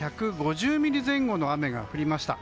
１５０ミリ前後の雨が降りました。